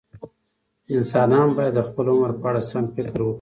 انسانان باید د خپل عمر په اړه سم فکر وکړي.